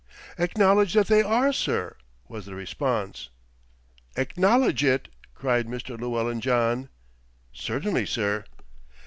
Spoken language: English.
"Acknowledge that they are, sir," was the response. "Acknowledge it!" cried Mr. Llewellyn John. "Certainly, sir."